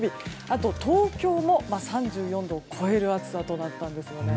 あと、東京も３４度を超える暑さとなったんですよね。